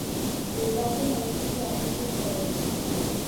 Zida bunu djivia nizi kodomu.